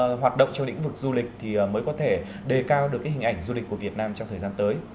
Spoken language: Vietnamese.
các hoạt động trong lĩnh vực du lịch thì mới có thể đề cao được cái hình ảnh du lịch của việt nam trong thời gian tới